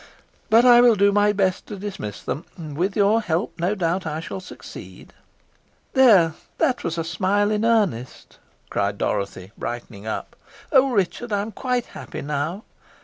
But I will do my best to dismiss them, and with your help no doubt I shall succeed." "There! there was a smile in earnest!" cried Dorothy, brightening up. "Oh, Richard! I am quite happy now.